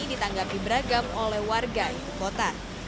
ditanggapi beragam oleh warga ibu kota